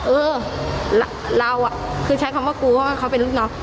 เออเราคือใช้คำว่ากลัวเพราะว่าเขาเป็นลูกน้อง